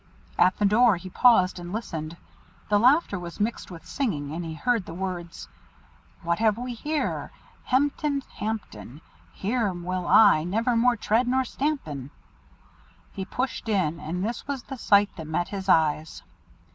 At the door he paused and listened. The laughter was mixed with singing, and he heard the words "What have we here? Hemten hamten! Here will I never more tread nor stampen." He pushed in, and this was the sight that met his eyes.